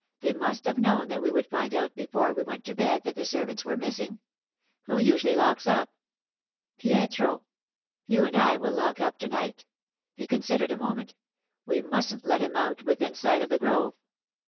They must have known that we would find out before we went to bed that the servants were missing. Who usually locks up?' 'Pietro.' 'You and I will lock up to night.' He considered a moment. 'We mustn't let him out within sight of the grove.